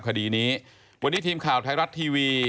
คดีนี้วันนี้ทีมข่าวไทยรัฐทีวี